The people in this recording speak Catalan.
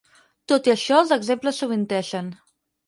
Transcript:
Tot i això els exemples sovintegen.